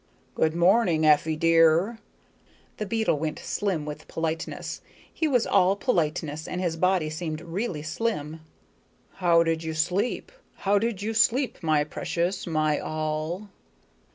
"Good morning, Effie dear." The beetle went slim with politeness. He was all politeness, and his body seemed really slim. "How did you sleep? How did you sleep, my precious my all?"